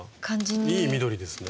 いい緑ですね。